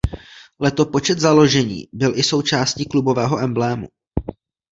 Letopočet založení byl i součástí klubového emblému.